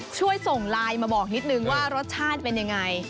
ช่วยส่งไลน์มาบอกนิดนึงว่ารสชาติเป็นยังไง